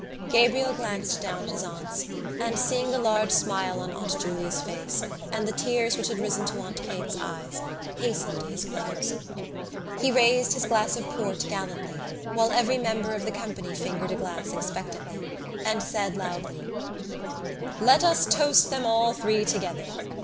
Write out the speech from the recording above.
Gabriel glanced down at his aunts and, seeing the large smile on Aunt Julia's face and the tears which had risen to Aunt Kate's eyes, hastened to his close. He raised his glass of port gallantly, while every member of the company fingered a glass expectantly, and said loudly: "Let us toast them all three together.